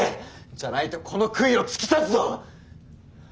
じゃないとこの杭を突き刺すぞ！